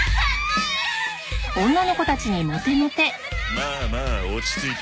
まあまあ落ち着いて。